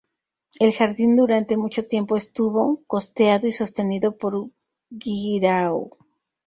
El jardín durante mucho tiempo estuvo, costeado y sostenido por Guirao.